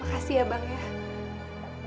makasih ya bang